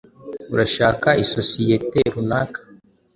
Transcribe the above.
Urashaka isosiyete runaka?